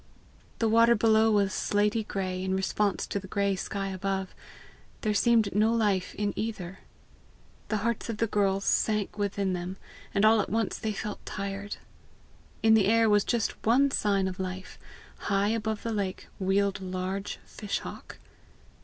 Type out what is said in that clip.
The water below was slaty gray, in response to the gray sky above: there seemed no life in either. The hearts of the girls sank within them, and all at once they felt tired. In the air was just one sign of life: high above the lake wheeled a large fish hawk.